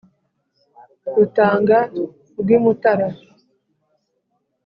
Rutanga rw' i Mutara;